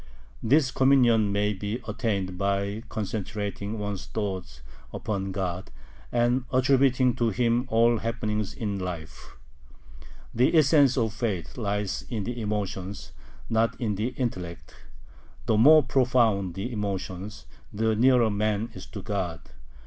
This communion may be attained by concentrating one's thoughts upon God, and attributing to Him all happenings in life. The essence of faith lies in the emotions, not in the intellect; the more profound the emotions, the nearer man is to God.